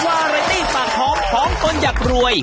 ว่าอะไรนี่ปากหอมหอมคนอยากรวย